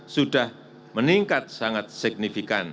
sudah meningkat sangat signifikan